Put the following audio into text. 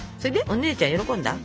お姉ちゃん喜んだ？